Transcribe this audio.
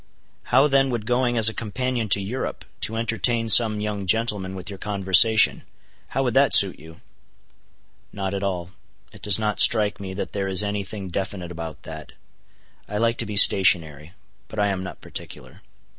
"How then would going as a companion to Europe, to entertain some young gentleman with your conversation,—how would that suit you?" "Not at all. It does not strike me that there is any thing definite about that. I like to be stationary. But I am not particular."